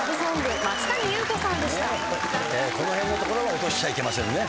この辺のところは落としちゃいけませんね。